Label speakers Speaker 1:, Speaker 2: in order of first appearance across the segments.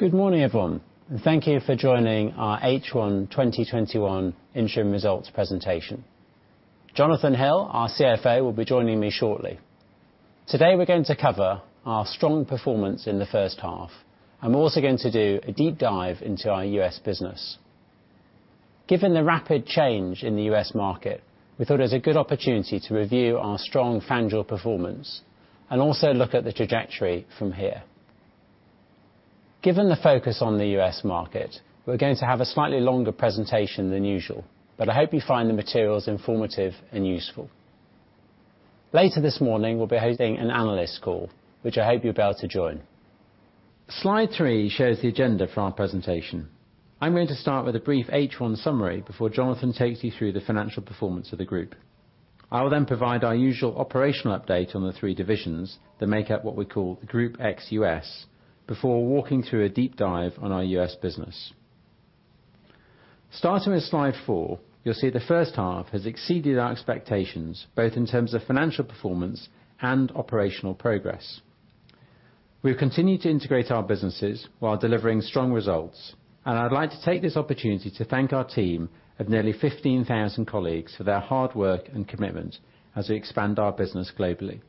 Speaker 1: Good morning, everyone. Thank you for joining our H1 2021 interim results presentation. Jonathan Hill, our CFO, will be joining me shortly. Today, we're going to cover our strong performance in the first half. I'm also going to do a deep dive into our U.S. business. Given the rapid change in the U.S. market, we thought it was a good opportunity to review our strong FanDuel performance and also look at the trajectory from here. Given the focus on the U.S. market, we're going to have a slightly longer presentation than usual, but I hope you find the materials informative and useful. Later this morning, we'll be hosting an analyst call, which I hope you'll be able to join. Slide three shows the agenda for our presentation. I'm going to start with a brief H1 summary before Jonathan takes you through the financial performance of the group. I will then provide our usual operational update on the three divisions that make up what we call the Group ex-U.S., before walking through a deep dive on our U.S. business. Starting with Slide four, you'll see the first half has exceeded our expectations, both in terms of financial performance and operational progress. We have continued to integrate our businesses while delivering strong results, and I'd like to take this opportunity to thank our team of nearly 15,000 colleagues for their hard work and commitment as we expand our business globally.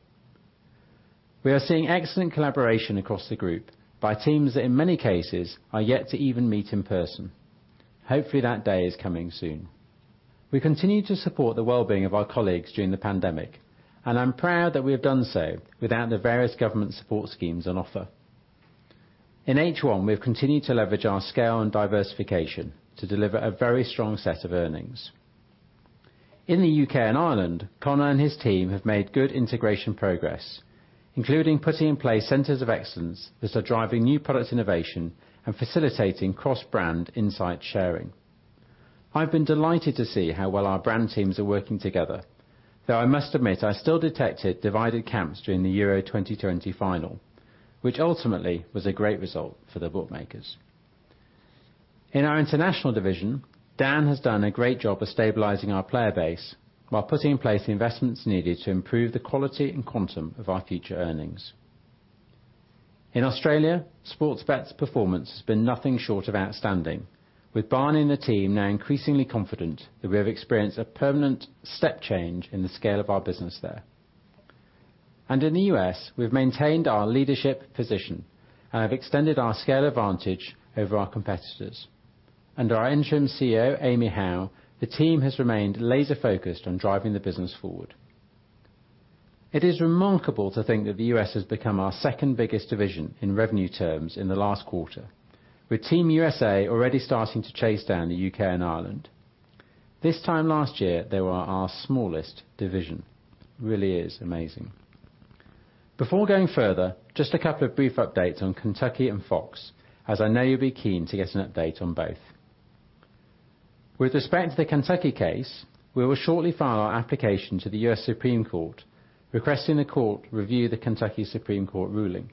Speaker 1: We are seeing excellent collaboration across the group by teams that, in many cases, are yet to even meet in person. Hopefully, that day is coming soon. We continue to support the well-being of our colleagues during the pandemic, and I'm proud that we have done so without the various government support schemes on offer. In H1, we have continued to leverage our scale and diversification to deliver a very strong set of earnings. In the U.K. and Ireland, Conor and his team have made good integration progress, including putting in place centers of excellence that are driving new product innovation and facilitating cross-brand insight sharing. I've been delighted to see how well our brand teams are working together, though I must admit I still detected divided camps during the Euro 2020 final, which ultimately was a great result for the bookmakers. In our international division, Dan has done a great job of stabilizing our player base while putting in place the investments needed to improve the quality and quantum of our future earnings. In Australia, Sportsbet's performance has been nothing short of outstanding, with Barney and the team now increasingly confident that we have experienced a permanent step change in the scale of our business there. In the U.S., we've maintained our leadership position and have extended our scale advantage over our competitors. Under our interim CEO, Amy Howe, the team has remained laser-focused on driving the business forward. It is remarkable to think that the U.S. has become our second-biggest division in revenue terms in the last quarter, with Team U.S.A already starting to chase down the U.K. and Ireland. This time last year, they were our smallest division. Really is amazing. Before going further, just a couple brief updates on Kentucky and Fox, as I know you'll be keen to get an update on both. With respect to the Kentucky case, we will shortly file our application to the U.S. Supreme Court, requesting the court review the Kentucky Supreme Court ruling.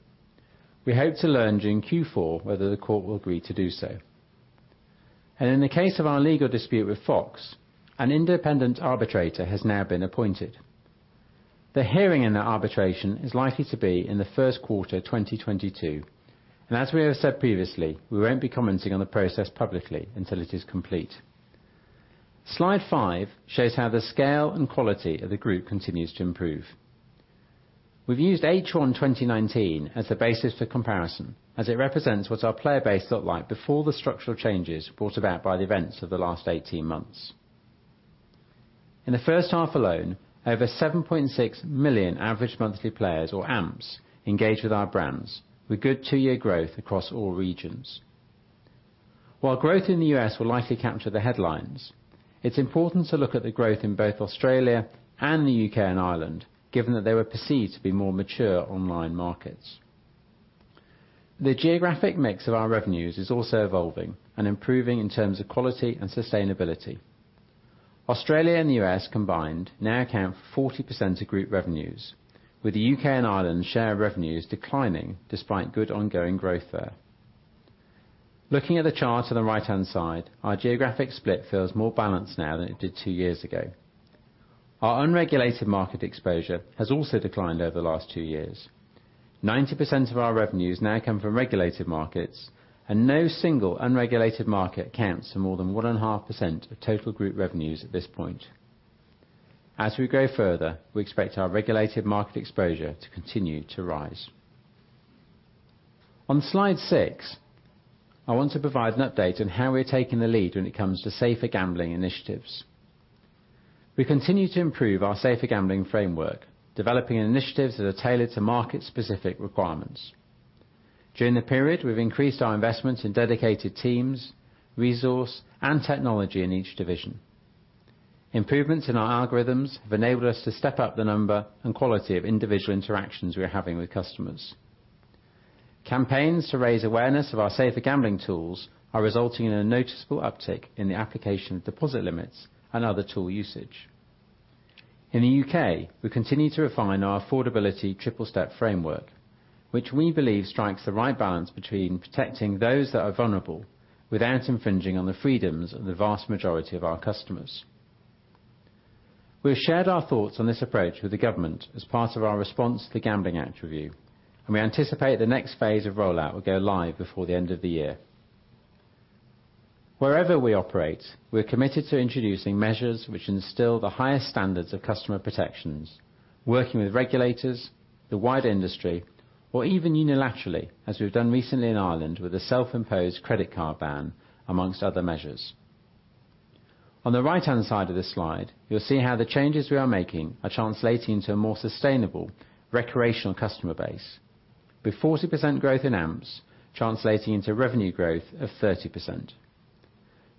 Speaker 1: We hope to learn during Q4 whether the court will agree to do so. In the case of our legal dispute with Fox, an independent arbitrator has now been appointed. The hearing in that arbitration is likely to be in the first quarter 2022, and as we have said previously, we won't be commenting on the process publicly until it is complete. Slide 5 shows how the scale and quality of the group continues to improve. We've used H1 2019 as the basis for comparison, as it represents what our player base looked like before the structural changes brought about by the events of the last 18 months. In the first half alone, over 7.6 million Average Monthly Players, or AMPs, engaged with our brands, with good two-year growth across all regions. While growth in the U.S. will likely capture the headlines, it's important to look at the growth in both Australia and the U.K. and Ireland, given that they were perceived to be more mature online markets. The geographic mix of our revenues is also evolving and improving in terms of quality and sustainability. Australia and the U.S. combined now account for 40% of group revenues, with the U.K. and Ireland share of revenues declining despite good ongoing growth there. Looking at the chart on the right-hand side, our geographic split feels more balanced now than it did two years ago. Our unregulated market exposure has also declined over the last two years. 90% of our revenues now come from regulated markets, and no single unregulated market accounts for more than 1.5% of total group revenues at this point. As we grow further, we expect our regulated market exposure to continue to rise. On Slide six, I want to provide an update on how we are taking the lead when it comes to safer gambling initiatives. We continue to improve our safer gambling framework, developing initiatives that are tailored to market-specific requirements. During the period, we've increased our investment in dedicated teams, resource, and technology in each division. Improvements in our algorithms have enabled us to step up the number and quality of individual interactions we are having with customers. Campaigns to raise awareness of our safer gambling tools are resulting in a noticeable uptick in the application of deposit limits and other tool usage. In the U.K., we continue to refine our affordability triple step framework, which we believe strikes the right balance between protecting those that are vulnerable without infringing on the freedoms of the vast majority of our customers. We have shared our thoughts on this approach with the government as part of our response to the Gambling Act review, we anticipate the next phase of rollout will go live before the end of the year. Wherever we operate, we're committed to introducing measures which instill the highest standards of customer protections, working with regulators, the wider industry, or even unilaterally, as we've done recently in Ireland with a self-imposed credit card ban, amongst other measures. On the right-hand side of this slide, you'll see how the changes we are making are translating to a more sustainable recreational customer base, with 40% growth in AMPs translating into revenue growth of 30%.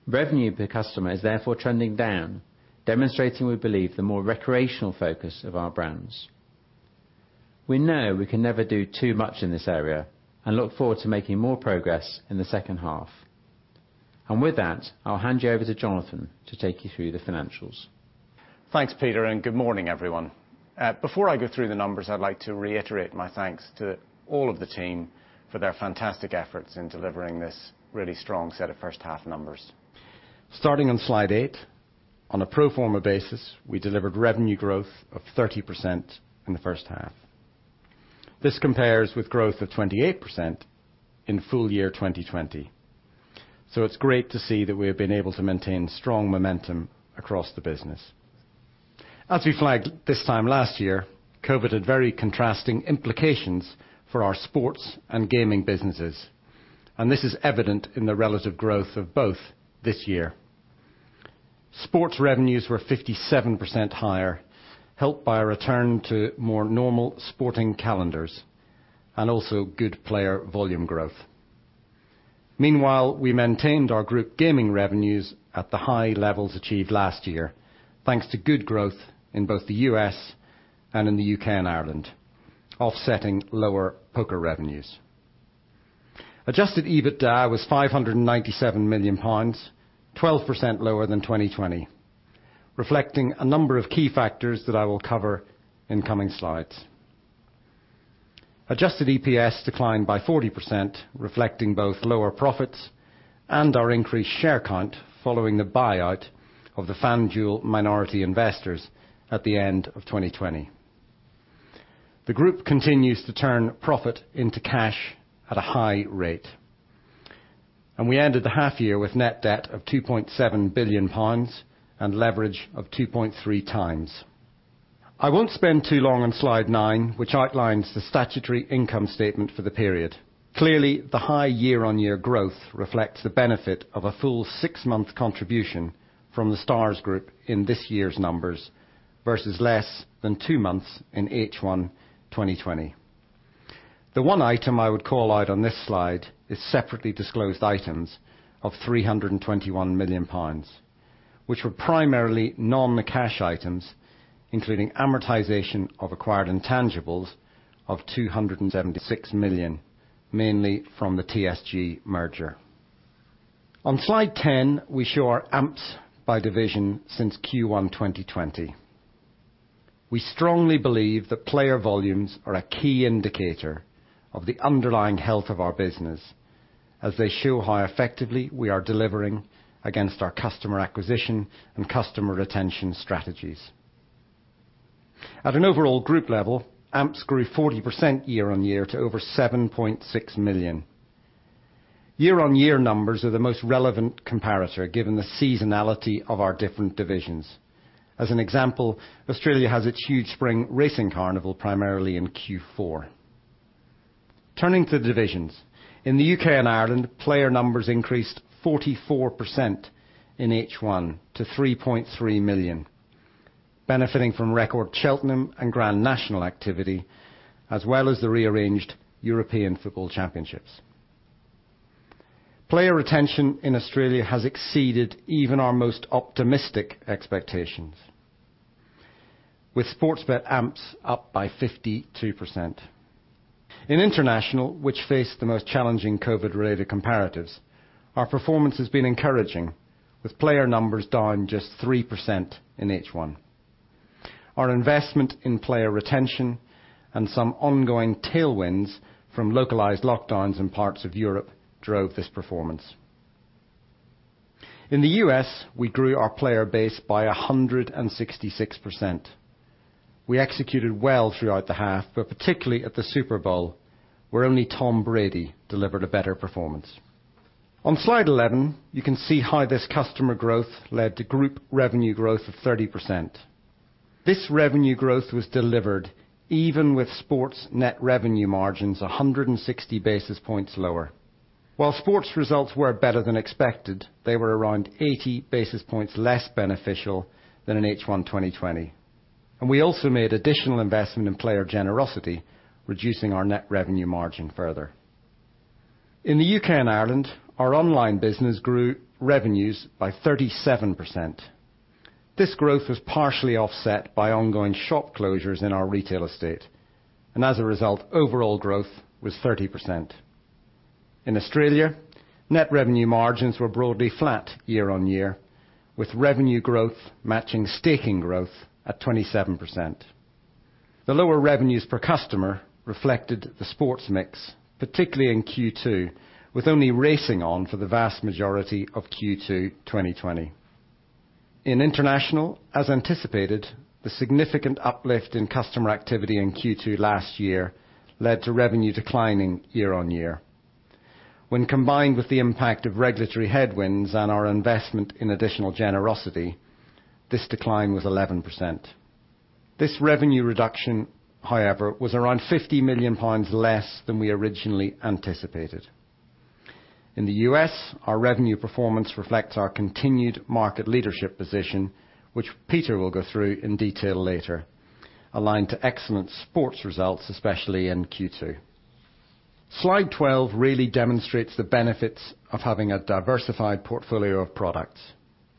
Speaker 1: Revenue per customer is therefore trending down, demonstrating, we believe, the more recreational focus of our brands. We know we can never do too much in this area and look forward to making more progress in the second half. With that, I'll hand you over to Jonathan to take you through the financials.
Speaker 2: Thanks, Peter, and good morning, everyone. Before I go through the numbers, I'd like to reiterate my thanks to all of the team for their fantastic efforts in delivering this really strong set of first half numbers. Starting on slide eight, on a pro forma basis, we delivered revenue growth of 30% in the first half. This compares with growth of 28% in full year 2020. It's great to see that we have been able to maintain strong momentum across the business. As we flagged this time last year, COVID had very contrasting implications for our sports and gaming businesses, and this is evident in the relative growth of both this year. Sports revenues were 57% higher, helped by a return to more normal sporting calendars and also good player volume growth. Meanwhile, we maintained our group gaming revenues at the high levels achieved last year, thanks to good growth in both the U.S. and in the U.K. and Ireland, offsetting lower poker revenues. Adjusted EBITDA was 597 million pounds, 12% lower than 2020, reflecting a number of key factors that I will cover in coming slides. Adjusted EPS declined by 40%, reflecting both lower profits and our increased share count following the buyout of the FanDuel minority investors at the end of 2020. The group continues to turn profit into cash at a high rate, we ended the half year with net debt of 2.7 billion pounds and leverage of 2.3x. I won't spend too long on slide nine, which outlines the statutory income statement for the period. Clearly, the high year-on-year growth reflects the benefit of a full 6-month contribution from the Stars Group in this year's numbers, versus less than two months in H1 2020. The one item I would call out on this slide is separately disclosed items of 321 million pounds, which were primarily non-cash items, including amortization of acquired intangibles of 276 million, mainly from the TSG merger. On slide 10, we show our AMPs by division since Q1 2020. We strongly believe that player volumes are a key indicator of the underlying health of our business, as they show how effectively we are delivering against our customer acquisition and customer retention strategies. At an overall group level, AMPs grew 40% year-on-year to over 7.6 million. Year-on-year numbers are the most relevant comparator, given the seasonality of our different divisions. As an example, Australia has its huge spring racing carnival primarily in Q4. Turning to divisions, in the U.K. and Ireland, player numbers increased 44% in H1 to 3.3 million, benefiting from record Cheltenham and Grand National activity, as well as the rearranged European Football Championships. Player retention in Australia has exceeded even our most optimistic expectations, with Sportsbet AMPs up by 52%. In international, which faced the most challenging COVID-related comparatives, our performance has been encouraging, with player numbers down just 3% in H1. Our investment in player retention and some ongoing tailwinds from localized lockdowns in parts of Europe drove this performance. In the U.S., we grew our player base by 166%. We executed well throughout the half, but particularly at the Super Bowl, where only Tom Brady delivered a better performance. On slide 11, you can see how this customer growth led to group revenue growth of 30%. This revenue growth was delivered even with sports net revenue margins 160 basis points lower. While sports results were better than expected, they were around 80 basis points less beneficial than in H1 2020, and we also made additional investment in player generosity, reducing our net revenue margin further. In the U.K. and Ireland, our online business grew revenues by 37%. This growth was partially offset by ongoing shop closures in our retail estate, and as a result, overall growth was 30%. In Australia, net revenue margins were broadly flat year-on-year, with revenue growth matching staking growth at 27%. The lower revenues per customer reflected the sports mix, particularly in Q2, with only racing on for the vast majority of Q2 2020. In international, as anticipated, the significant uplift in customer activity in Q2 last year led to revenue declining year-on-year. When combined with the impact of regulatory headwinds on our investment in additional generosity, this decline was 11%. This revenue reduction, however, was around 50 million pounds less than we originally anticipated. In the U.S., our revenue performance reflects our continued market leadership position, which Peter will go through in detail later, aligned to excellent sports results, especially in Q2. Slide 12 really demonstrates the benefits of having a diversified portfolio of products.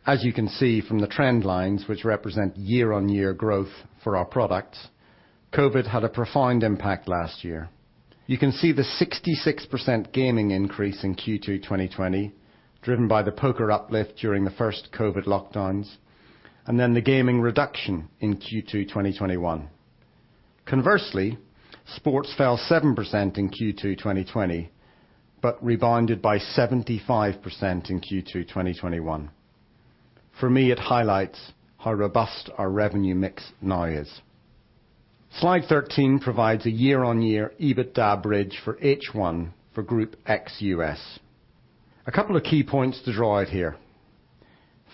Speaker 2: As you can see from the trend lines, which represent year-over-year growth for our products, COVID had a profound impact last year. You can see the 66% gaming increase in Q2 2020, driven by the poker uplift during the first COVID lockdowns, and then the gaming reduction in Q2 2021. Conversely, sports fell 7% in Q2 2020, but rebounded by 75% in Q2 2021. For me, it highlights how robust our revenue mix now is. Slide 13 provides a year-on-year EBITDA bridge for H1 for Group ex-U.S. A couple of key points to draw out here.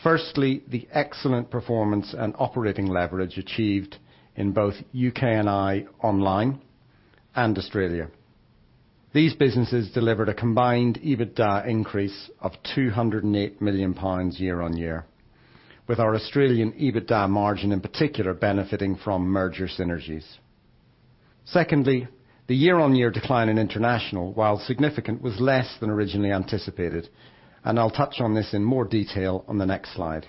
Speaker 2: Firstly, the excellent performance and operating leverage achieved in both U.K. and I online and Australia. These businesses delivered a combined EBITDA increase of 208 million pounds year-on-year, with our Australian EBITDA margin in particular benefiting from merger synergies. Secondly, the year-on-year decline in International, while significant, was less than originally anticipated, and I'll touch on this in more detail on the next slide.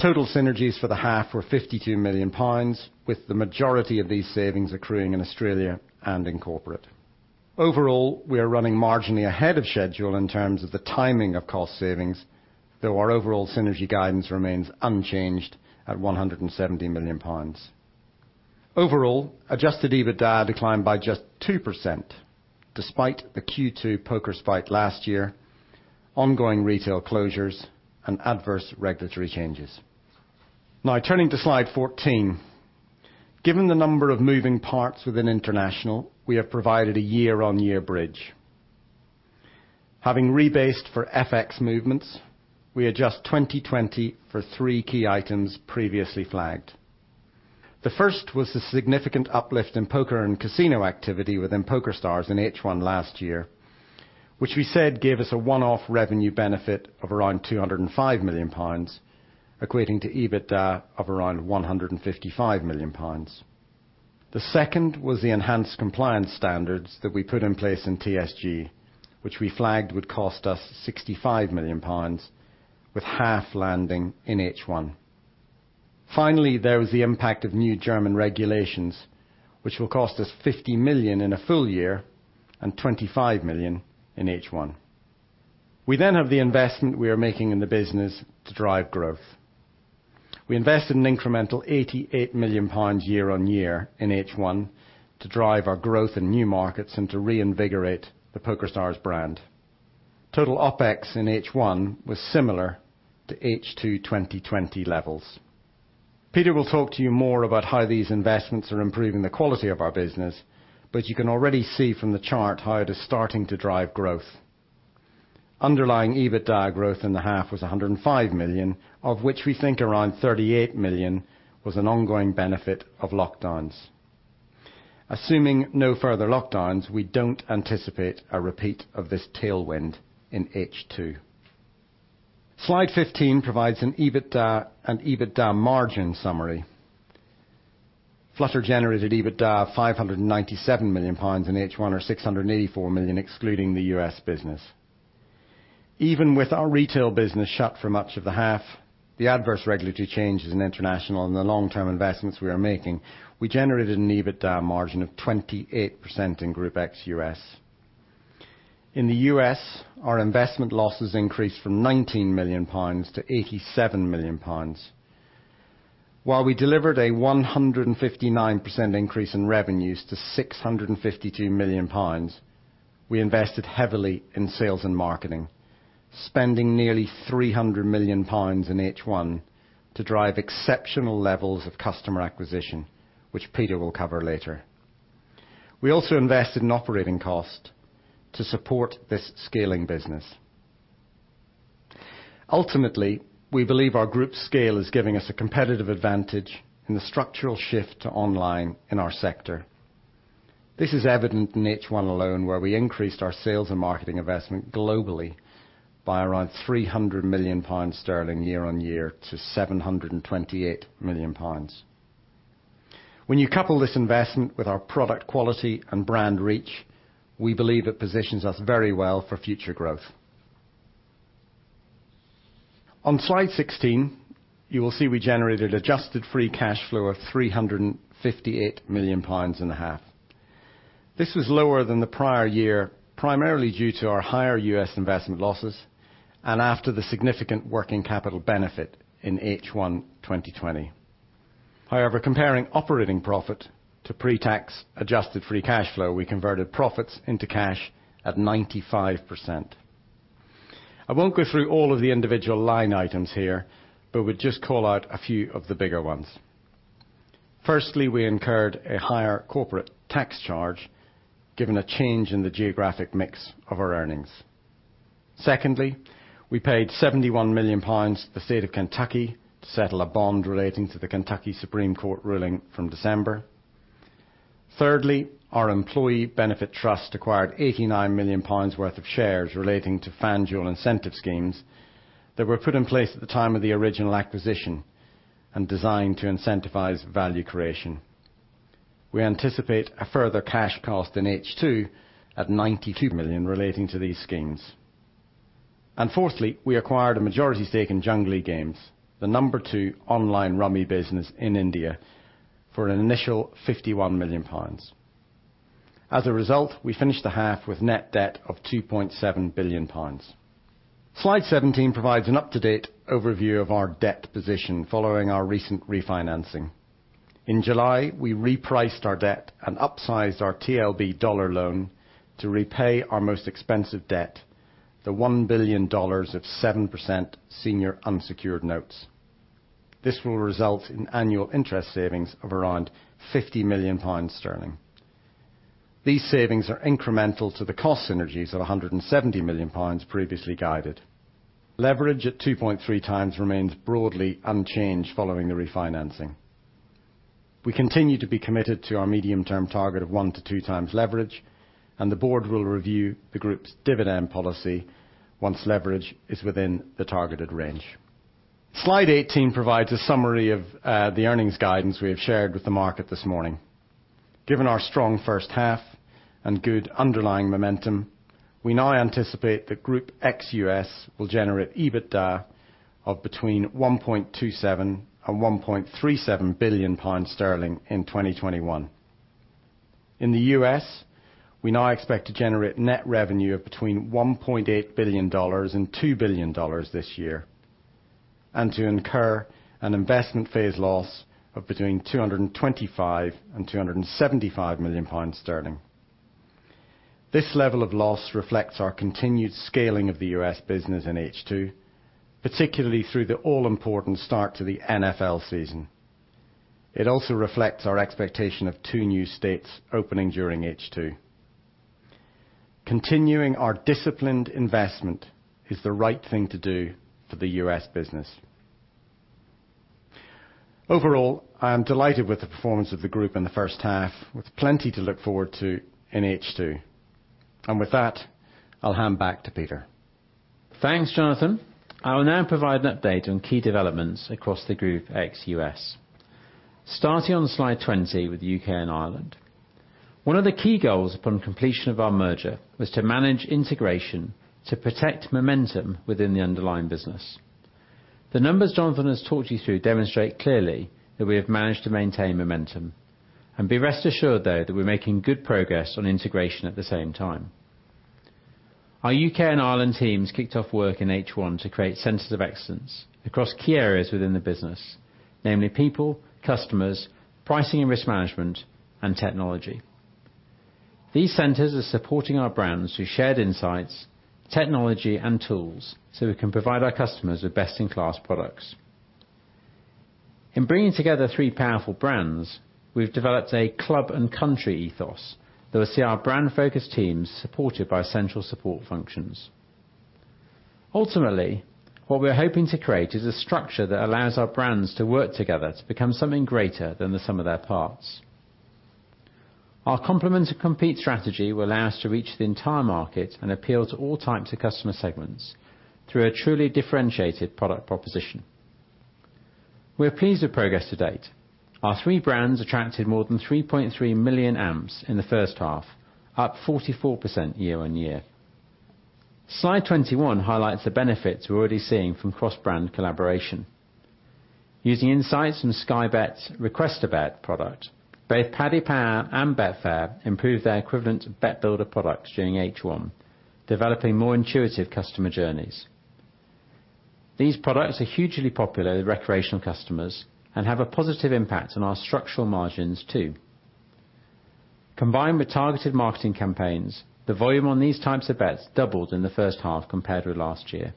Speaker 2: Total synergies for the half were 52 million pounds, with the majority of these savings accruing in Australia and in corporate. Overall, we are running marginally ahead of schedule in terms of the timing of cost savings, though our overall synergy guidance remains unchanged at 170 million pounds. Overall, Adjusted EBITDA declined by just 2%, despite the Q2 poker spike last year, ongoing retail closures, and adverse regulatory changes. Turning to slide 14. Given the number of moving parts within international, we have provided a year-on-year bridge. Having rebased for FX movements, we adjust 2020 for three key items previously flagged. The first was the significant uplift in poker and casino activity within PokerStars in H1 last year, which we said gave us a one-off revenue benefit of around 205 million pounds, equating to EBITDA of around 155 million pounds. The second was the enhanced compliance standards that we put in place in TSG, which we flagged would cost us 65 million pounds, with half landing in H1. Finally, there was the impact of new German regulations, which will cost us 50 million in a full year and 25 million in H1. We have the investment we are making in the business to drive growth. We invested an incremental 88 million pounds year on year in H1 to drive our growth in new markets and to reinvigorate the PokerStars brand. Total OpEx in H1 was similar to H2 2020 levels. Peter will talk to you more about how these investments are improving the quality of our business, but you can already see from the chart how it is starting to drive growth. Underlying EBITDA growth in the half was 105 million, of which we think around 38 million was an ongoing benefit of lockdowns. Assuming no further lockdowns, we don't anticipate a repeat of this tailwind in H2. Slide 15 provides an EBITDA margin summary. Flutter generated EBITDA of 597 million pounds in H1 or 684 million excluding the U.S. business. Even with our retail business shut for much of the half, the adverse regulatory changes in International and the long-term investments we are making, we generated an EBITDA margin of 28% in Group ex-U.S. In the U.S., our investment losses increased from 19 million pounds to 87 million pounds. While we delivered a 159% increase in revenues to 652 million pounds, we invested heavily in sales and marketing, spending nearly 300 million pounds in H1 to drive exceptional levels of customer acquisition, which Peter will cover later. We also invested in operating cost to support this scaling business. Ultimately, we believe our group scale is giving us a competitive advantage in the structural shift to online in our sector. This is evident in H1 alone, where we increased our sales and marketing investment globally by around 300 million sterling year-on-year to 728 million pounds. When you couple this investment with our product quality and brand reach, we believe it positions us very well for future growth. On slide 16, you will see we generated adjusted free cash flow of 358 million pounds in the half. This was lower than the prior year, primarily due to our higher U.S. investment losses and after the significant working capital benefit in H1 2020. Comparing operating profit to pre-tax adjusted free cash flow, we converted profits into cash at 95%. I won't go through all of the individual line items here, would just call out a few of the bigger ones. Firstly, I incurred a higher corporate tax charge given a change in the geographic mix of our earnings. Secondly, we paid 71 million pounds to the state of Kentucky to settle a bond relating to the Kentucky Supreme Court ruling from December. Thirdly, our employee benefit trust acquired 89 million pounds worth of shares relating to FanDuel incentive schemes that were put in place at the time of the original acquisition and designed to incentivize value creation. We anticipate a further cash cost in H2 at 92 million relating to these schemes. Fourthly, we acquired a majority stake in Junglee Games, the number two online Rummy business in India, for an initial 51 million pounds. As a result, we finished the half with net debt of 2.7 billion pounds. Slide 17 provides an up-to-date overview of our debt position following our recent refinancing. In July, we repriced our debt and upsized our TLB dollar loan to repay our most expensive debt, the $1 billion of 7% senior unsecured notes. This will result in annual interest savings of around 50 million sterling. These savings are incremental to the cost synergies of 170 million pounds previously guided. Leverage at 2.3x remains broadly unchanged following the refinancing. We continue to be committed to our medium-term target of 1x-2x leverage, and the board will review the group's dividend policy once leverage is within the targeted range. Slide 18 provides a summary of the earnings guidance we have shared with the market this morning. Given our strong first half and good underlying momentum, we now anticipate that Group ex-U.S. will generate EBITDA of between 1.27 billion and 1.37 billion pounds in 2021. In the U.S., we now expect to generate net revenue of between $1.8 billion and $2 billion this year, and to incur an investment phase loss of between 225 million and 275 million sterling. This level of loss reflects our continued scaling of the U.S. business in H2, particularly through the all-important start to the NFL season. It also reflects our expectation of two new states opening during H2. Continuing our disciplined investment is the right thing to do for the U.S. business. Overall, I am delighted with the performance of the group in the first half with plenty to look forward to in H2. With that, I'll hand back to Peter.
Speaker 1: Thanks, Jonathan. I will now provide an update on key developments across the group ex-U.S. Starting on slide 20 with U.K. and Ireland. One of the key goals upon completion of our merger was to manage integration to protect momentum within the underlying business. The numbers Jonathan has talked you through demonstrate clearly that we have managed to maintain momentum, and be rest assured though that we're making good progress on integration at the same time. Our U.K. and Ireland teams kicked off work in H1 to create centers of excellence across key areas within the business, namely people, customers, pricing and risk management, and technology. These centers are supporting our brands through shared insights, technology, and tools so we can provide our customers with best-in-class products. In bringing together three powerful brands, we've developed a club and country ethos that will see our brand-focused teams supported by central support functions. Ultimately, what we're hoping to create is a structure that allows our brands to work together to become something greater than the sum of their parts. Our complement to compete strategy will allow us to reach the entire market and appeal to all types of customer segments through a truly differentiated product proposition. We're pleased with progress to date. Our three brands attracted more than 3.3 million AMPs in the first half, up 44% year-on-year. Slide 21 highlights the benefits we're already seeing from cross-brand collaboration. Using insights from Sky Bet's Request ABet product, both Paddy Power and Betfair improved their equivalent bet builder products during H1, developing more intuitive customer journeys. These products are hugely popular with recreational customers and have a positive impact on our structural margins too. Combined with targeted marketing campaigns, the volume on these types of bets doubled in the first half compared with last year.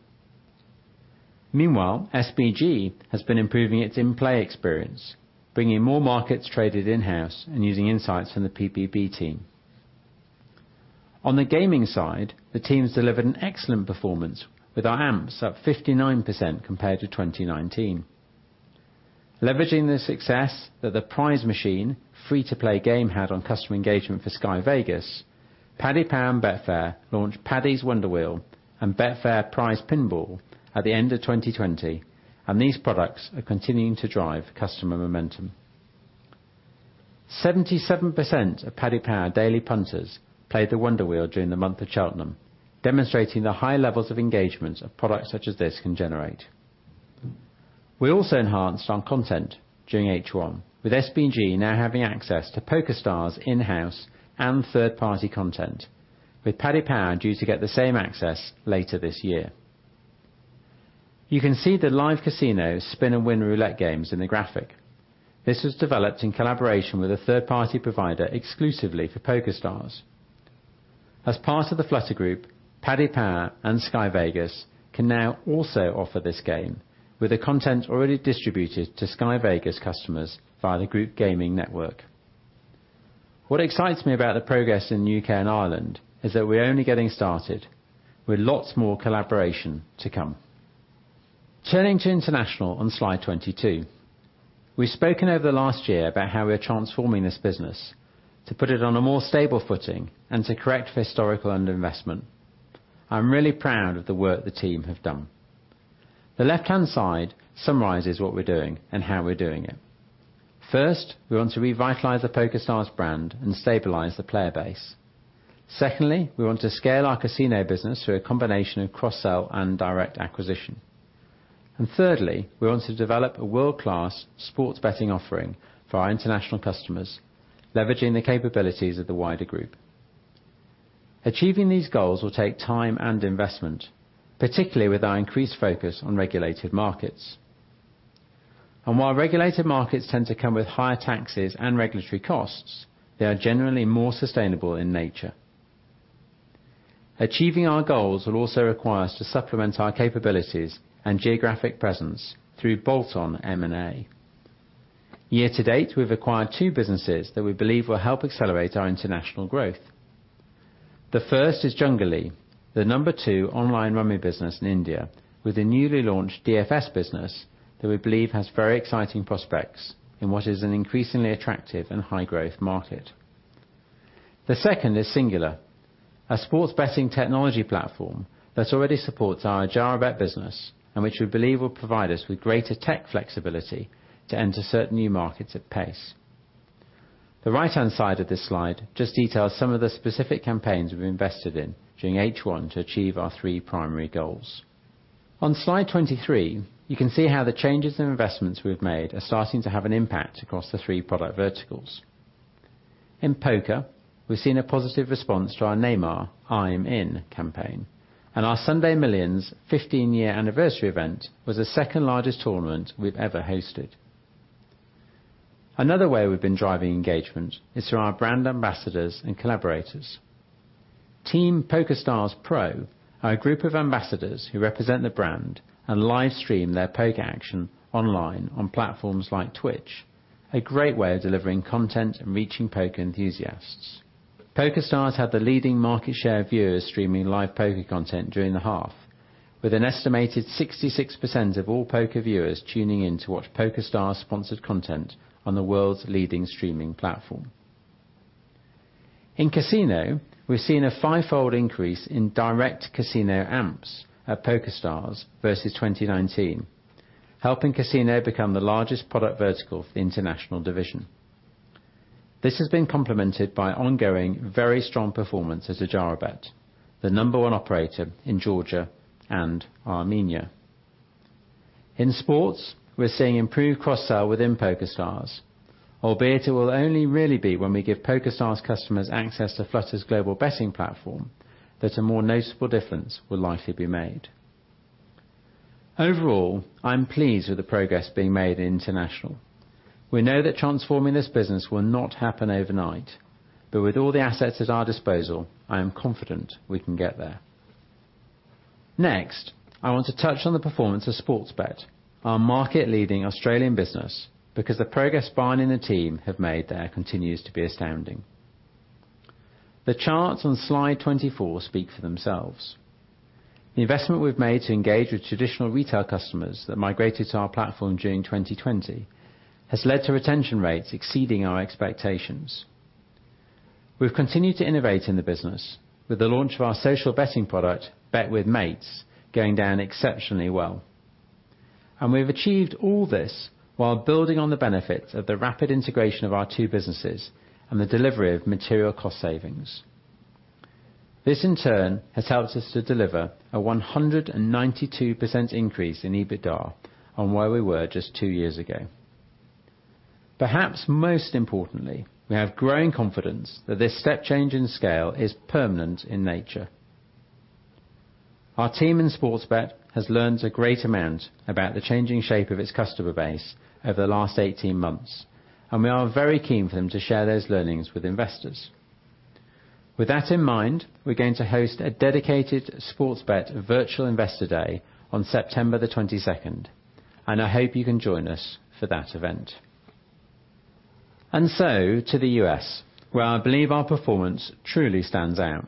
Speaker 1: Meanwhile, SBG has been improving its in-play experience, bringing more markets traded in-house and using insights from the PPB team. On the gaming side, the teams delivered an excellent performance with our AMPs up 59% compared to 2019. Leveraging the success that the Prize Machine free-to-play game had on customer engagement for Sky Vegas, Paddy Power and Betfair launched Paddy's Wonder Wheel and Betfair Prize Pinball at the end of 2020. These products are continuing to drive customer momentum. 77% of Paddy Power daily punters played the Wonder Wheel during the month of Cheltenham, demonstrating the high levels of engagements of products such as this can generate. We also enhanced our content during H1, with SBG now having access to PokerStars in-house and third-party content, with Paddy Power due to get the same access later this year. You can see the live casino Spin A Win roulette games in the graphic. This was developed in collaboration with a third-party provider exclusively for PokerStars. As part of the Flutter group, Paddy Power and Sky Vegas can now also offer this game, with the content already distributed to Sky Vegas customers via the group gaming network. What excites me about the progress in U.K. and Ireland is that we're only getting started, with lots more collaboration to come. Turning to international on slide 22. We've spoken over the last year about how we're transforming this business to put it on a more stable footing and to correct historical underinvestment. I'm really proud of the work the team have done. The left-hand side summarizes what we're doing and how we're doing it. First, we want to revitalize the PokerStars brand and stabilize the player base. Secondly, we want to scale our casino business through a combination of cross-sell and direct acquisition. Thirdly, we want to develop a world-class sports betting offering for our international customers, leveraging the capabilities of the wider group. Achieving these goals will take time and investment, particularly with our increased focus on regulated markets. While regulated markets tend to come with higher taxes and regulatory costs, they are generally more sustainable in nature. Achieving our goals will also require us to supplement our capabilities and geographic presence through bolt-on M&A. Year to date, we've acquired two businesses that we believe will help accelerate our international growth. The first is Junglee, the number two online Rummy business in India, with a newly launched DFS business that we believe has very exciting prospects in what is an increasingly attractive and high-growth market. The second is Singular, a sports betting technology platform that already supports our Adjarabet business and which we believe will provide us with greater tech flexibility to enter certain new markets at pace. The right-hand side of this slide just details some of the specific campaigns we've invested in during H1 to achieve our three primary goals. On slide 23, you can see how the changes in investments we've made are starting to have an impact across the three product verticals. In poker, we've seen a positive response to our Neymar I'm In campaign, and our Sunday Million 15-year anniversary event was the second-largest tournament we've ever hosted. Another way we've been driving engagement is through our brand ambassadors and collaborators. Team PokerStars Pro are a group of ambassadors who represent the brand and live stream their poker action online on platforms like Twitch, a great way of delivering content and reaching poker enthusiasts. PokerStars had the leading market share of viewers streaming live poker content during the half, with an estimated 66% of all poker viewers tuning in to watch PokerStars-sponsored content on the world's leading streaming platform. In casino, we've seen a fivefold increase in direct casino AMPs at PokerStars versus 2019, helping casino become the largest product vertical for the international division. This has been complemented by ongoing very strong performance at Adjarabet, the number one operator in Georgia and Armenia. In sports, we're seeing improved cross-sell within PokerStars, albeit it will only really be when we give PokerStars customers access to Flutter's global betting platform that a more noticeable difference will likely be made. Overall, I'm pleased with the progress being made in international. We know that transforming this business will not happen overnight, but with all the assets at our disposal, I am confident we can get there. Next, I want to touch on the performance of Sportsbet, our market-leading Australian business, because the progress Barney and the team have made there continues to be astounding. The charts on slide 24 speak for themselves. The investment we've made to engage with traditional retail customers that migrated to our platform during 2020 has led to retention rates exceeding our expectations. We've continued to innovate in the business with the launch of our social betting product, Bet with Mates, going down exceptionally well. We've achieved all this while building on the benefits of the rapid integration of our two businesses and the delivery of material cost savings. This, in turn, has helped us to deliver a 192% increase in EBITDA on where we were just two years ago. Perhaps most importantly, we have growing confidence that this step change in scale is permanent in nature. Our team in Sportsbet has learned a great amount about the changing shape of its customer base over the last 18 months, and we are very keen for them to share those learnings with investors. With that in mind, we're going to host a dedicated Sportsbet virtual investor day on September the 22nd, and I hope you can join us for that event. To the U.S., where I believe our performance truly stands out.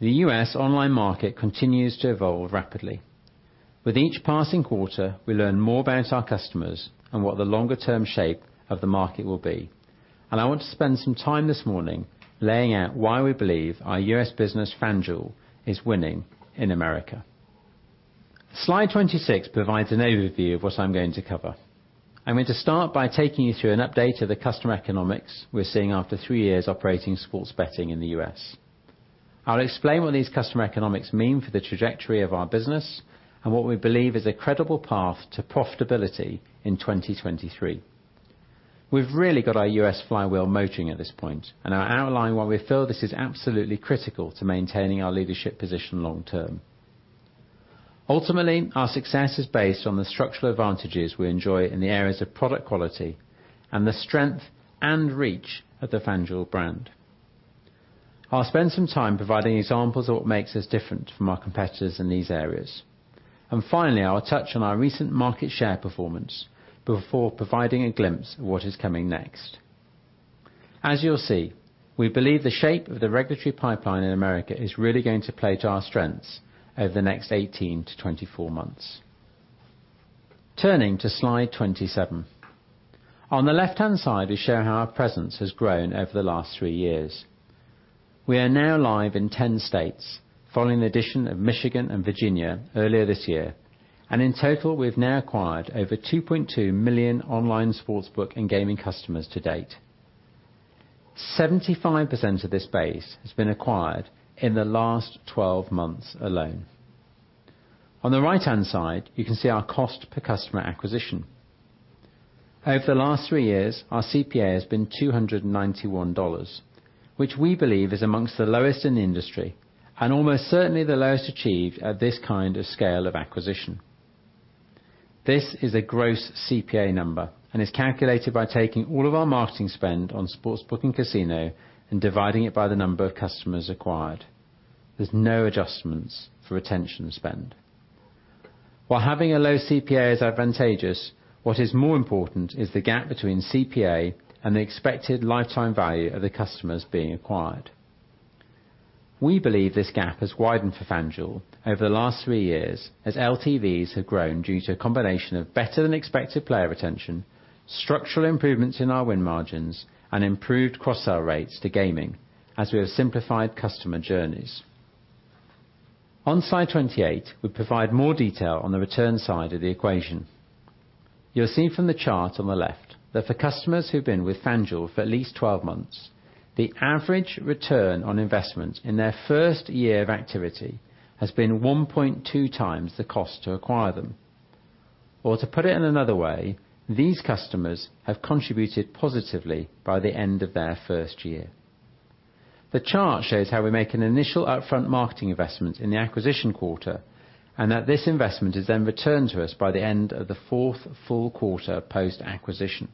Speaker 1: The U.S. online market continues to evolve rapidly. With each passing quarter, we learn more about our customers and what the longer-term shape of the market will be. I want to spend some time this morning laying out why we believe our U.S. business, FanDuel, is winning in America. Slide 26 provides an overview of what I'm going to cover. I'm going to start by taking you through an update of the customer economics we're seeing after three years operating sports betting in the U.S. I'll explain what these customer economics mean for the trajectory of our business and what we believe is a credible path to profitability in 2023. We've really got our U.S. flywheel motoring at this point, and I'll outline why we feel this is absolutely critical to maintaining our leadership position long term. Ultimately, our success is based on the structural advantages we enjoy in the areas of product quality and the strength and reach of the FanDuel brand. I'll spend some time providing examples of what makes us different from our competitors in these areas. Finally, I'll touch on our recent market share performance before providing a glimpse of what is coming next. As you'll see, we believe the shape of the regulatory pipeline in the U.S. is really going to play to our strengths over the next 18-24 months. Turning to slide 27. On the left-hand side, we show how our presence has grown over the last three years. We are now live in 10 states following the addition of Michigan and Virginia earlier this year. In total, we've now acquired over 2.2 million online sportsbook and gaming customers to date. 75% of this base has been acquired in the last 12 months alone. On the right-hand side, you can see our cost per customer acquisition. Over the last three years, our CPA has been $291, which we believe is amongst the lowest in the industry and almost certainly the lowest achieved at this kind of scale of acquisition. This is a gross CPA number and is calculated by taking all of our marketing spend on sportsbook and casino and dividing it by the number of customers acquired. There's no adjustments for retention spend. While having a low CPA is advantageous, what is more important is the gap between CPA and the expected lifetime value of the customers being acquired. We believe this gap has widened for FanDuel over the last three years as LTVs have grown due to a combination of better than expected player retention, structural improvements in our win margins, and improved cross-sell rates to gaming as we have simplified customer journeys. On slide 28, we provide more detail on the return side of the equation. You'll see from the chart on the left that for customers who've been with FanDuel for at least 12 months, the average return on investment in their first year of activity has been 1.2x the cost to acquire them. To put it in another way, these customers have contributed positively by the end of their first year. The chart shows how we make an initial upfront marketing investment in the acquisition quarter, and that this investment is then returned to us by the end of the fourth full quarter post-acquisition.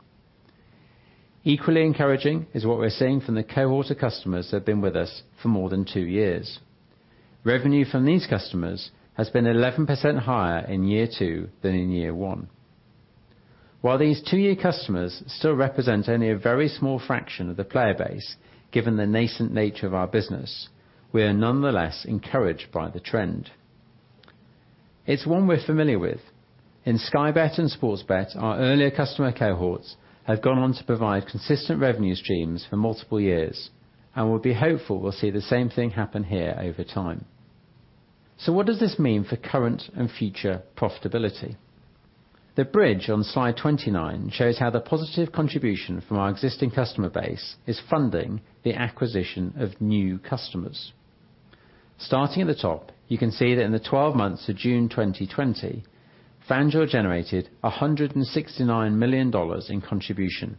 Speaker 1: Equally encouraging is what we're seeing from the cohort of customers that have been with us for more than two years. Revenue from these customers has been 11% higher in year two than in year one. While these two-year customers still represent only a very small fraction of the player base, given the nascent nature of our business, we are nonetheless encouraged by the trend. It's one we're familiar with. In Sky Bet and Sportsbet, our earlier customer cohorts have gone on to provide consistent revenue streams for multiple years, and we'll be hopeful we'll see the same thing happen here over time. What does this mean for current and future profitability? The bridge on slide 29 shows how the positive contribution from our existing customer base is funding the acquisition of new customers. Starting at the top, you can see that in the 12 months to June 2020, FanDuel generated $169 million in contribution,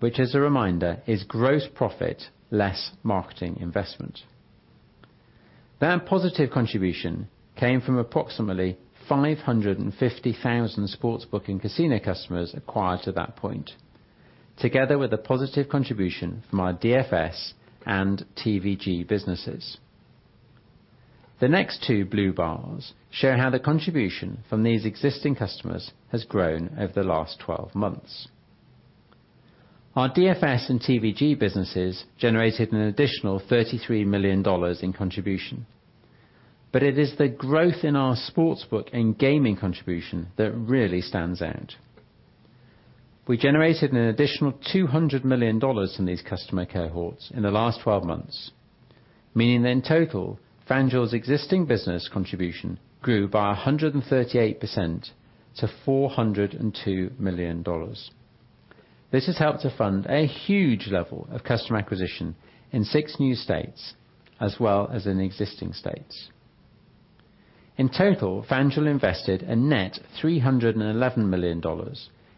Speaker 1: which as a reminder, is gross profit less marketing investment. That positive contribution came from approximately 550,000 sportsbook and casino customers acquired to that point, together with a positive contribution from our DFS and TVG businesses. The next two blue bars show how the contribution from these existing customers has grown over the last 12 months. Our DFS and TVG businesses generated an additional $33 million in contribution. It is the growth in our sportsbook and gaming contribution that really stands out. We generated an additional $200 million in these customer cohorts in the last 12 months, meaning that in total, FanDuel’s existing business contribution grew by 138% to $402 million. This has helped to fund a huge level of customer acquisition in six new states, as well as in existing states. In total, FanDuel invested a net $311 million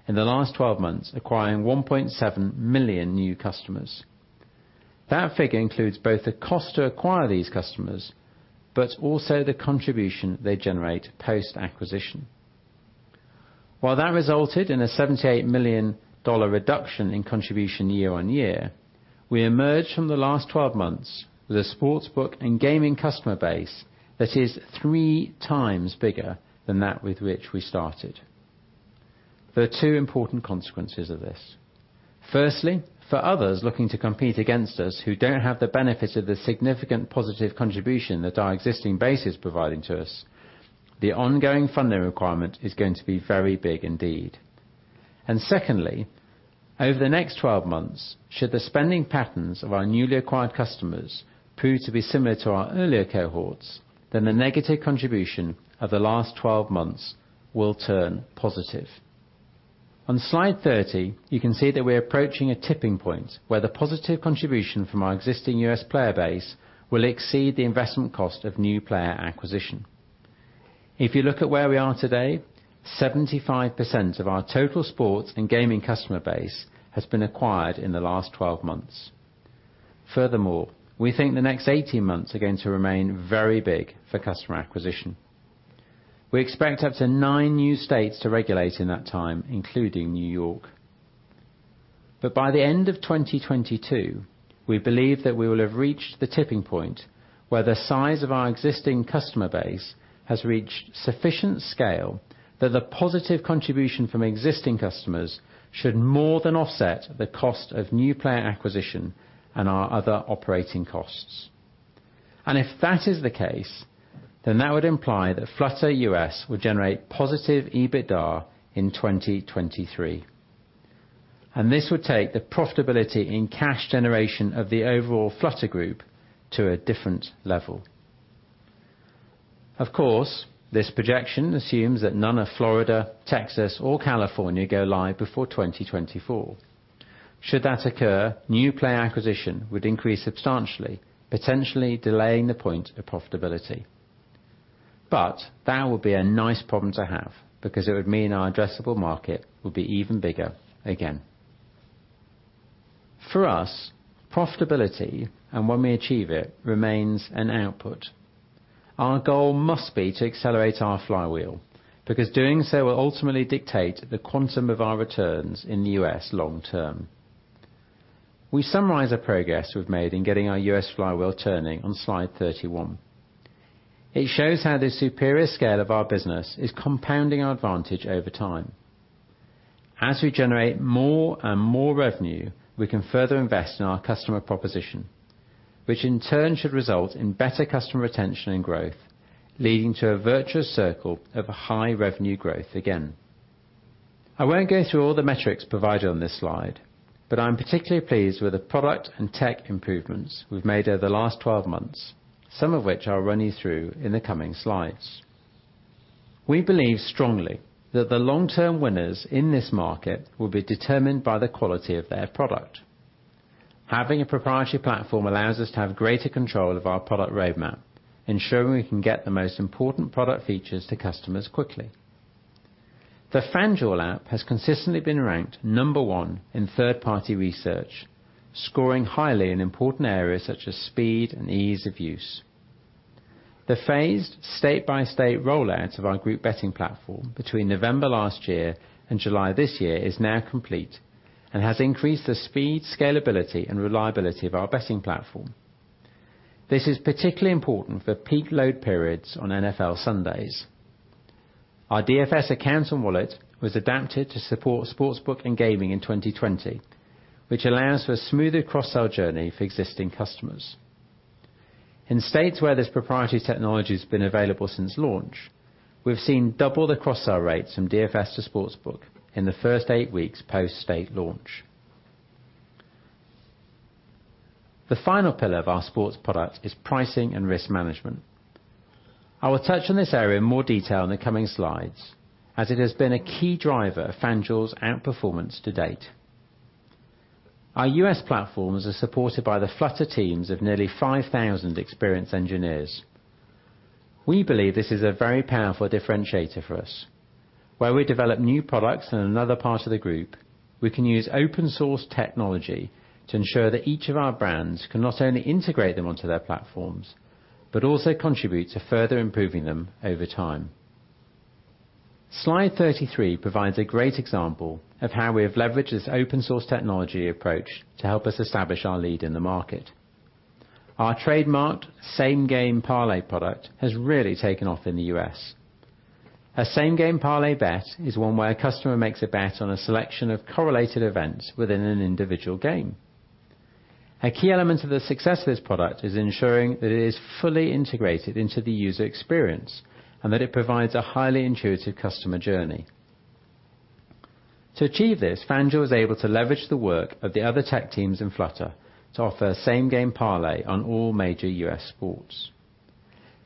Speaker 1: in the last 12 months, acquiring 1.7 million new customers. That figure includes both the cost to acquire these customers, also the contribution they generate post-acquisition. While that resulted in a $78 million reduction in contribution year-on-year, we emerged from the last 12 months with a sportsbook and gaming customer base that is three times bigger than that with which we started. There are two important consequences of this. For others looking to compete against us who don't have the benefit of the significant positive contribution that our existing base is providing to us, the ongoing funding requirement is going to be very big indeed. Secondly, over the next 12 months, should the spending patterns of our newly acquired customers prove to be similar to our earlier cohorts, then the negative contribution of the last 12 months will turn positive. On slide 30, you can see that we're approaching a tipping point where the positive contribution from our existing U.S. player base will exceed the investment cost of new player acquisition. If you look at where we are today, 75% of our total sports and gaming customer base has been acquired in the last 12 months. Furthermore, we think the next 18 months are going to remain very big for customer acquisition. We expect up to nine new states to regulate in that time, including New York. By the end of 2022, we believe that we will have reached the tipping point where the size of our existing customer base has reached sufficient scale that the positive contribution from existing customers should more than offset the cost of new player acquisition and our other operating costs. If that is the case, that would imply that Flutter U.S. will generate positive EBITDA in 2023. This would take the profitability in cash generation of the overall Flutter group to a different level. Of course, this projection assumes that none of Florida, Texas, or California go live before 2024. Should that occur, new player acquisition would increase substantially, potentially delaying the point of profitability. That would be a nice problem to have because it would mean our addressable market would be even bigger again. For us, profitability, and when we achieve it, remains an output. Our goal must be to accelerate our flywheel, because doing so will ultimately dictate the quantum of our returns in the U.S. long term. We summarize the progress we've made in getting our U.S. flywheel turning on slide 31. It shows how the superior scale of our business is compounding our advantage over time. As we generate more and more revenue, we can further invest in our customer proposition, which in turn should result in better customer retention and growth, leading to a virtuous circle of high revenue growth again. I won't go through all the metrics provided on this slide, but I'm particularly pleased with the product and tech improvements we've made over the last 12 months, some of which I'll run you through in the coming slides. We believe strongly that the long-term winners in this market will be determined by the quality of their product. Having a proprietary platform allows us to have greater control of our product roadmap, ensuring we can get the most important product features to customers quickly. The FanDuel app has consistently been ranked number one in third-party research, scoring highly in important areas such as speed and ease of use. The phased state-by-state rollout of our group betting platform between November last year and July this year is now complete and has increased the speed, scalability, and reliability of our betting platform. This is particularly important for peak load periods on NFL Sundays. Our DFS account and wallet was adapted to support sportsbook and gaming in 2020, which allows for a smoother cross-sell journey for existing customers. In states where this proprietary technology has been available since launch, we've seen double the cross-sell rates from DFS to sportsbook in the first eight weeks post-state launch. The final pillar of our sports product is pricing and risk management. I will touch on this area in more detail in the coming slides, as it has been a key driver of FanDuel's outperformance to date. Our U.S. platforms are supported by the Flutter teams of nearly 5,000 experienced engineers. We believe this is a very powerful differentiator for us. Where we develop new products in another part of the group, we can use open-source technology to ensure that each of our brands can not only integrate them onto their platforms, but also contribute to further improving them over time. Slide 33 provides a great example of how we have leveraged this open-source technology approach to help us establish our lead in the market. Our trademarked Same Game Parlay product has really taken off in the U.S. A Same Game Parlay bet is one where a customer makes a bet on a selection of correlated events within an individual game. A key element of the success of this product is ensuring that it is fully integrated into the user experience and that it provides a highly intuitive customer journey. To achieve this, FanDuel was able to leverage the work of the other tech teams in Flutter to offer Same Game Parlay on all major U.S. sports.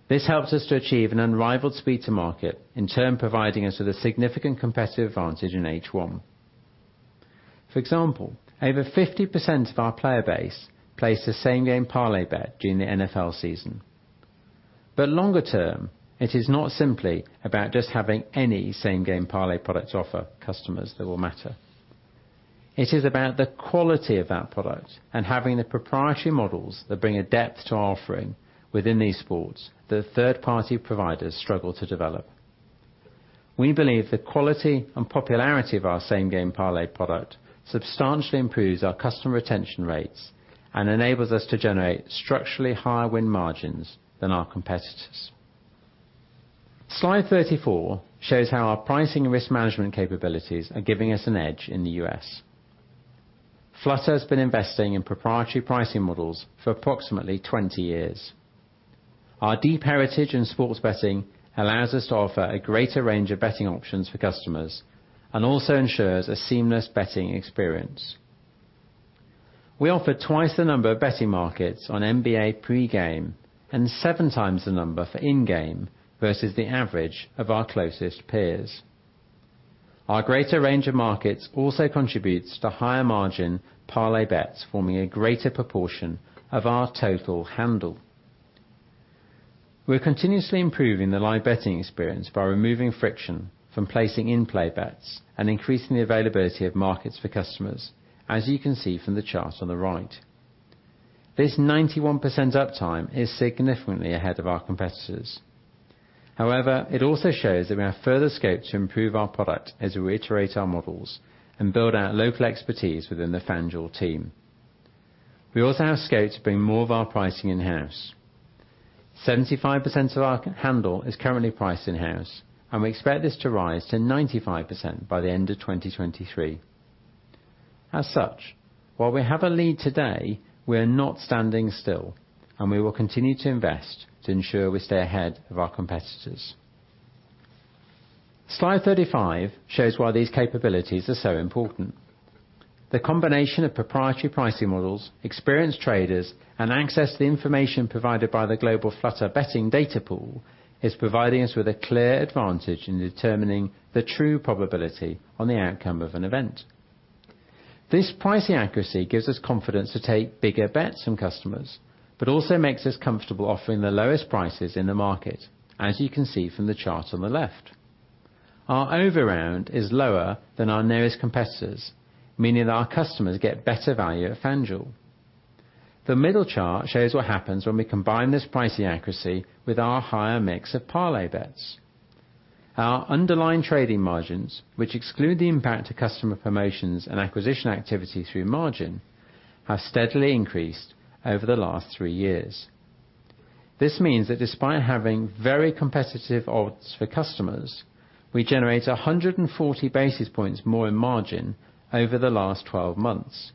Speaker 1: This helped us to achieve an unrivaled speed to market, in turn providing us with a significant competitive advantage in H1. For example, over 50% of our player base placed a Same Game Parlay bet during the NFL season. Longer term, it is not simply about just having any Same Game Parlay product to offer customers that will matter. It is about the quality of that product and having the proprietary models that bring a depth to our offering within these sports that third-party providers struggle to develop. We believe the quality and popularity of our Same Game Parlay product substantially improves our customer retention rates and enables us to generate structurally higher win margins than our competitors. Slide 34 shows how our pricing and risk management capabilities are giving us an edge in the U.S. Flutter has been investing in proprietary pricing models for approximately 20 years. Our deep heritage in sports betting allows us to offer a greater range of betting options for customers and also ensures a seamless betting experience. We offer twice the number of betting markets on NBA pre-game and seven times the number for in-game versus the average of our closest peers. Our greater range of markets also contributes to higher margin parlay bets forming a greater proportion of our total handle. We're continuously improving the live betting experience by removing friction from placing in-play bets and increasing the availability of markets for customers, as you can see from the chart on the right. This 91% uptime is significantly ahead of our competitors. However, it also shows that we have further scope to improve our product as we iterate our models and build out local expertise within the FanDuel team. We also have scope to bring more of our pricing in-house. 75% of our handle is currently priced in-house, and we expect this to rise to 95% by the end of 2023. As such, while we have a lead today, we are not standing still, and we will continue to invest to ensure we stay ahead of our competitors. Slide 35 shows why these capabilities are so important. The combination of proprietary pricing models, experienced traders, and access to information provided by the global Flutter betting data pool is providing us with a clear advantage in determining the true probability on the outcome of an event. This pricing accuracy gives us confidence to take bigger bets from customers, but also makes us comfortable offering the lowest prices in the market, as you can see from the chart on the left. Our overround is lower than our nearest competitors, meaning that our customers get better value at FanDuel. The middle chart shows what happens when we combine this pricing accuracy with our higher mix of parlay bets. Our underlying trading margins, which exclude the impact of customer promotions and acquisition activity through margin, have steadily increased over the last three years. This means that despite having very competitive odds for customers, we generate 140 basis points more in margin over the last 12 months.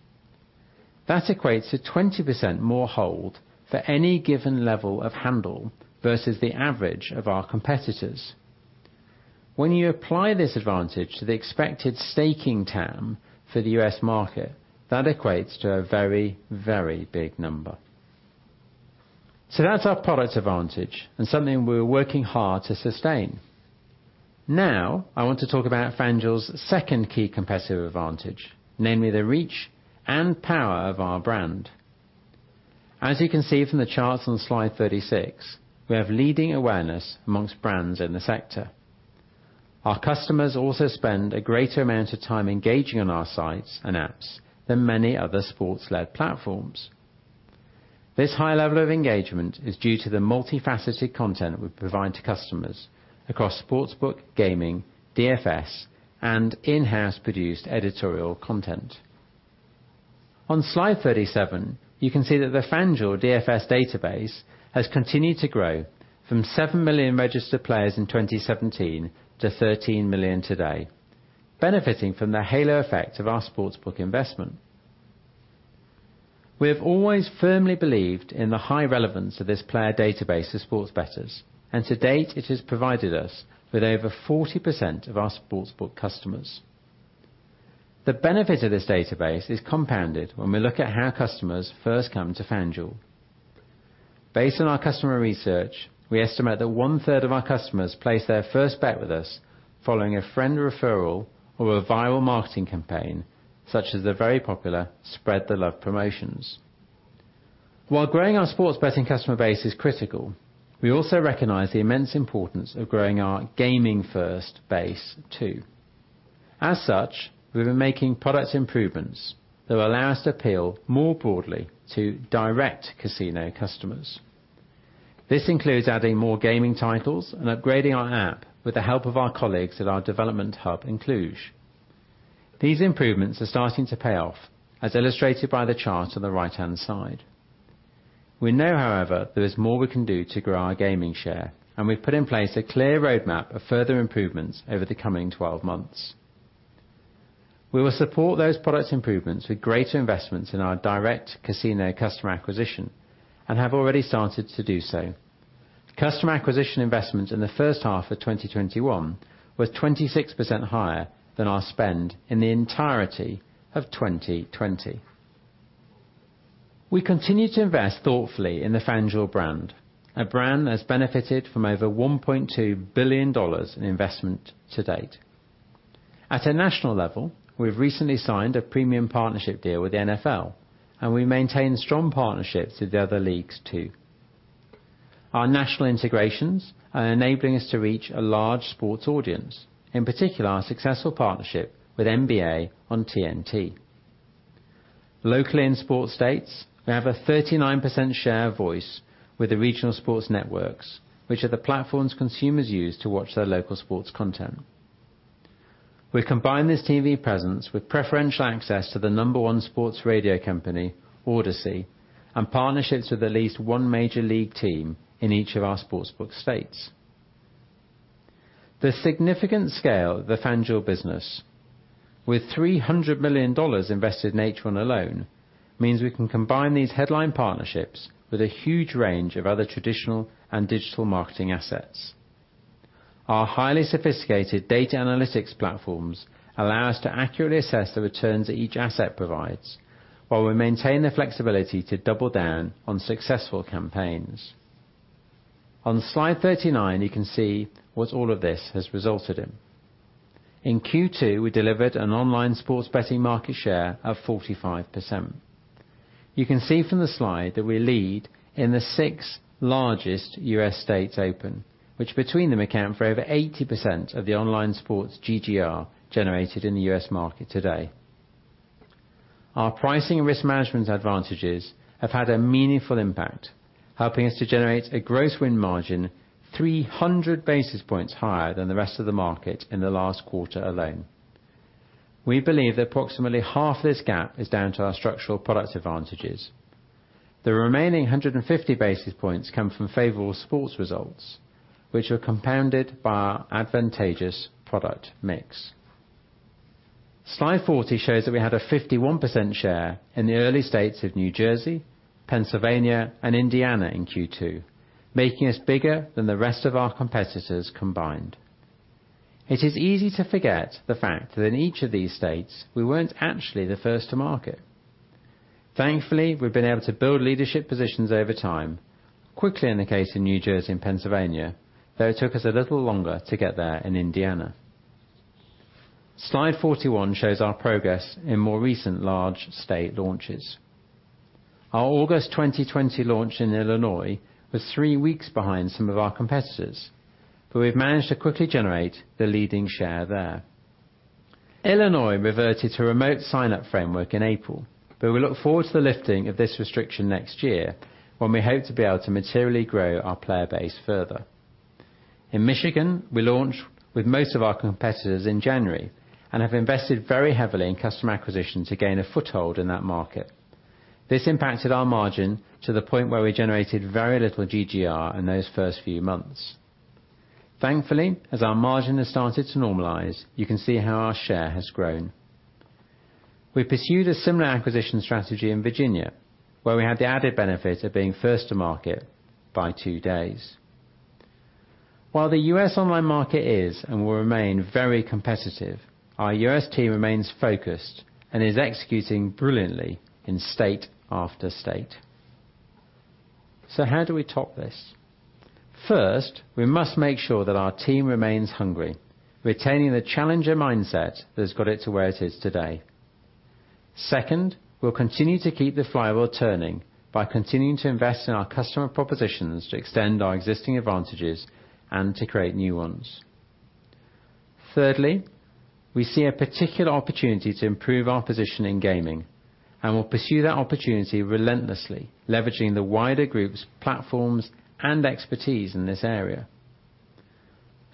Speaker 1: That equates to 20% more hold for any given level of handle versus the average of our competitors. When you apply this advantage to the expected staking TAM for the U.S. market, that equates to a very, very big number. That's our product advantage and something we're working hard to sustain. Now, I want to talk about FanDuel's second key competitive advantage, namely the reach and power of our brand. As you can see from the charts on slide 36, we have leading awareness amongst brands in the sector. Our customers also spend a greater amount of time engaging on our sites and apps than many other sports-led platforms. This high level of engagement is due to the multifaceted content we provide to customers across sportsbook, gaming, DFS, and in-house produced editorial content. On slide 37, you can see that the FanDuel DFS database has continued to grow from 7 million registered players in 2017 to 13 million today, benefiting from the halo effect of our sportsbook investment. We have always firmly believed in the high relevance of this player database to sports bettors, and to date, it has provided us with over 40% of our sportsbook customers. The benefit of this database is compounded when we look at how customers first come to FanDuel. Based on our customer research, we estimate that one-third of our customers place their first bet with us following a friend referral or a viral marketing campaign, such as the very popular Spread the Love promotions. While growing our sports betting customer base is critical, we also recognize the immense importance of growing our gaming-first base, too. As such, we've been making product improvements that will allow us to appeal more broadly to direct casino customers. This includes adding more gaming titles and upgrading our app with the help of our colleagues at our development hub in Cluj. These improvements are starting to pay off, as illustrated by the chart on the right-hand side. We know, however, there is more we can do to grow our gaming share, and we've put in place a clear roadmap of further improvements over the coming 12 months. We will support those product improvements with greater investments in our direct casino customer acquisition and have already started to do so. Customer acquisition investments in the first half of 2021 were 26% higher than our spend in the entirety of 2020. We continue to invest thoughtfully in the FanDuel brand, a brand that has benefited from over $1.2 billion in investment to date. At a national level, we've recently signed a premium partnership deal with the NFL, and we maintain strong partnerships with the other leagues, too. Our national integrations are enabling us to reach a large sports audience, in particular, our successful partnership with NBA on TNT. Locally in sports states, we have a 39% share of voice with the regional sports networks, which are the platforms consumers use to watch their local sports content. We combine this TV presence with preferential access to the number 1 sports radio company, Audacy, and partnerships with at least one major league team in each of our sportsbook states. The significant scale of the FanDuel business, with $300 million invested in H1 alone, means we can combine these headline partnerships with a huge range of other traditional and digital marketing assets. Our highly sophisticated data analytics platforms allow us to accurately assess the returns that each asset provides, while we maintain the flexibility to double down on successful campaigns. On slide 39, you can see what all of this has resulted in. In Q2, we delivered an online sports betting market share of 45%. You can see from the slide that we lead in the six largest U.S. states open, which between them account for over 80% of the online sports GGR generated in the U.S. market today. Our pricing and risk management advantages have had a meaningful impact, helping us to generate a gross win margin 300 basis points higher than the rest of the market in the last quarter alone. We believe that approximately half this gap is down to our structural product advantages. The remaining 150 basis points come from favorable sports results, which are compounded by our advantageous product mix. Slide 40 shows that we had a 51% share in the early states of New Jersey, Pennsylvania, and Indiana in Q2, making us bigger than the rest of our competitors combined. It is easy to forget the fact that in each of these states, we weren't actually the first to market. Thankfully, we've been able to build leadership positions over time, quickly in the case of New Jersey and Pennsylvania, though it took us a little longer to get there in Indiana. Slide 41 shows our progress in more recent large state launches. Our August 2020 launch in Illinois was three weeks behind some of our competitors, but we've managed to quickly generate the leading share there. Illinois reverted to a remote sign-up framework in April, but we look forward to the lifting of this restriction next year when we hope to be able to materially grow our player base further. In Michigan, we launched with most of our competitors in January and have invested very heavily in customer acquisition to gain a foothold in that market. This impacted our margin to the point where we generated very little GGR in those first few months. Thankfully, as our margin has started to normalize, you can see how our share has grown. We pursued a similar acquisition strategy in Virginia, where we had the added benefit of being first to market by two days. While the U.S. online market is and will remain very competitive, our U.S. team remains focused and is executing brilliantly in state after state. How do we top this? First, we must make sure that our team remains hungry, retaining the challenger mindset that has got it to where it is today. Second, we'll continue to keep the flywheel turning by continuing to invest in our customer propositions to extend our existing advantages and to create new ones. Thirdly, we see a particular opportunity to improve our position in gaming, and we'll pursue that opportunity relentlessly, leveraging the wider groups, platforms, and expertise in this area.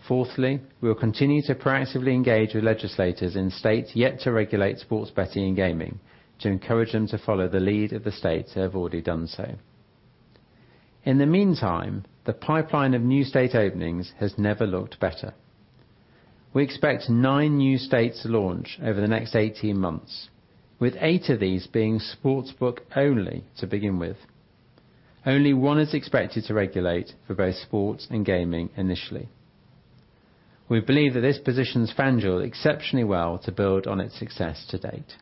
Speaker 1: Fourthly, we will continue to proactively engage with legislators in states yet to regulate sports betting and gaming to encourage them to follow the lead of the states that have already done so. In the meantime, the pipeline of new state openings has never looked better. We expect nine new states to launch over the next 18 months, with eight of these being sportsbook only to begin with. Only one is expected to regulate for both sports and gaming initially. We believe that this positions FanDuel exceptionally well to build on its success to date.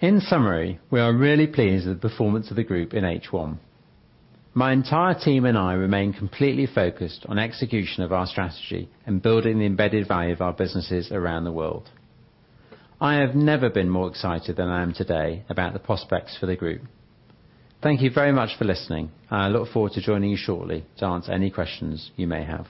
Speaker 1: In summary, we are really pleased with the performance of the group in H1. My entire team and I remain completely focused on execution of our strategy and building the embedded value of our businesses around the world. I have never been more excited than I am today about the prospects for the group. Thank you very much for listening, and I look forward to joining you shortly to answer any questions you may have.